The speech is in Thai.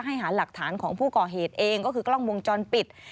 หาหลักฐานของผู้ก่อเหตุเองก็คือกล้องวงจรปิด